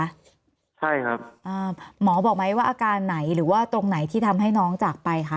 ใช่ครับอ่าหมอบอกไหมว่าอาการไหนหรือว่าตรงไหนที่ทำให้น้องจากไปคะ